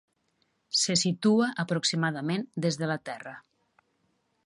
Se situa aproximadament des de la Terra.